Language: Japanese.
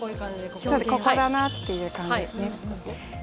ここだなっていう感じですね。